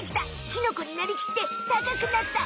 キノコになりきってたかくなった。